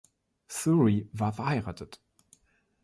Thury war verheiratet.